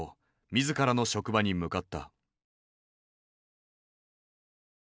自らの職場に向かった。